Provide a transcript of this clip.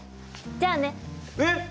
じゃあね。えっ！